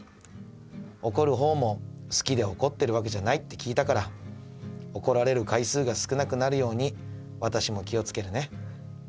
怒るほうも好きで怒ってるわけじゃないって聞いたから怒られる回数が少なくなるように私も気をつけるね。